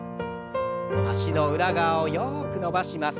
脚の裏側をよく伸ばします。